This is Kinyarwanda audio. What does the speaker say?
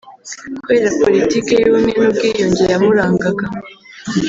kubera politiki y’ubumwe n’ubwiyunge yamurangaga